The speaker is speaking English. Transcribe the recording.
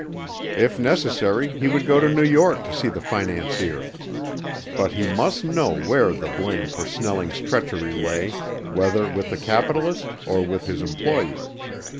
If necessary he would go to New York to see the financier. But he must know where the blame for Snelling's treachery lay, whether with the capitalist or with his employee.